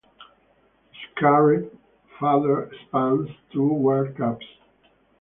His career further spans two World Cups.